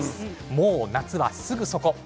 もう夏は、すぐそこ。